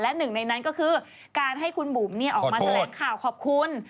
และหนึ่งในนั้นก็คือการให้คุณบุ๋มออกมาแถลงข่าวขอบคุณ